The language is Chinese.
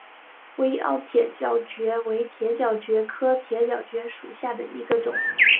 微凹铁角蕨为铁角蕨科铁角蕨属下的一个种。